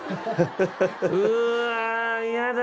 うわ嫌だ。